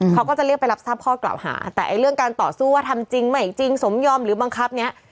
เขาก็จะเรียกไปรับทราบข้อกล่าวหาแต่ไอ้เรื่องการต่อสู้ว่าทำจริงใหม่จริงสมยอมหรือบังคับเนี้ย